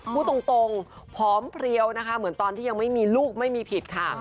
พูดตรงผอมเพลียวนะคะเหมือนตอนที่ยังไม่มีลูกไม่มีผิดค่ะ